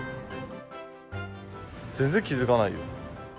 全然気付かないよ。